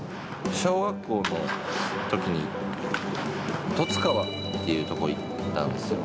小学校のときに、十津川という所に行ったんですよ。